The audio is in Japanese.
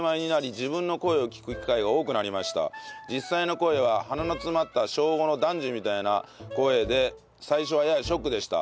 実際の声は鼻の詰まった小５の男児みたいな声で最初は嫌でショックでした。